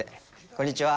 こんにちは。